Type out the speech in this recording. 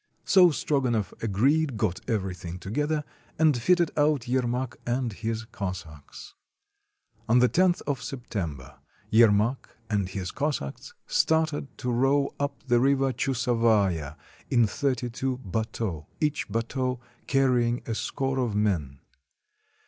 So Strogonoff agreed, got everything together, and fitted out Yermak and his Cossacks. On the loth of September, Yermak and his Cossacks started to row up the river Chusovaya in thirty two bateaux, each bateau carrying a score of men.